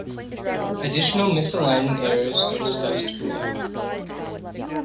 Additional misalignment errors are discussed below.